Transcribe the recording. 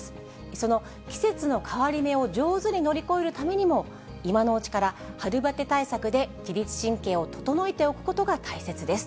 その季節の変わり目を上手に乗り越えるためにも、今のうちから春バテ対策で自律神経を整えておくことが大切です。